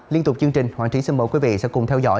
liên tục chương trình hoàn chính xin mời quý vị sẽ cùng theo dõi